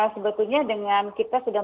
sebetulnya dengan kita sudah